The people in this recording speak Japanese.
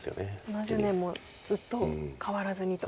何十年もずっと変わらずにと。